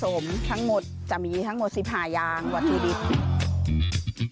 ส่วนผสมทั้งหมดจะมีทั้งหมด๑๕ยางวัตถีฤทธิ์